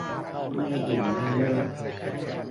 ไม่อิ่มไม่เลิก